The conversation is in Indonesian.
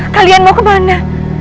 kalian mau kemana